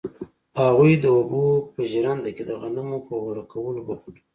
هغوی د اوبو په ژرنده کې د غنمو په اوړه کولو بوخت وو.